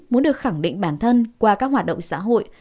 muốn được khẳng định bản thân qua các hoạt động xã hội